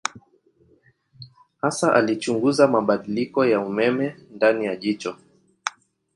Hasa alichunguza mabadiliko ya umeme ndani ya jicho.